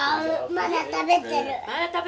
まだ食べてる。